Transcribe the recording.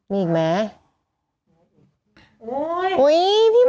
มีอีกไหม